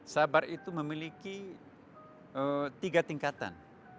sabar itu memiliki tiga tingkatan